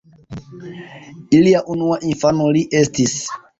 Ilia unua infano li estis.